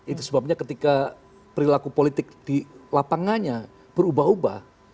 itu sebabnya ketika perilaku politik di lapangannya berubah ubah